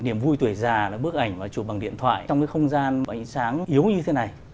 niềm vui tuổi già là bức ảnh và chụp bằng điện thoại trong cái không gian ánh sáng yếu như thế này